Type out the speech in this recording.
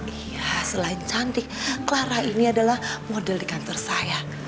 iya selain cantik clara ini adalah model di kantor saya